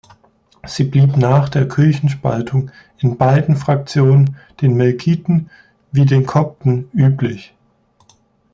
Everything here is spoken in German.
Sie blieb nach der Kirchenspaltung in beiden Fraktionen, den Melkiten wie den Kopten, üblich.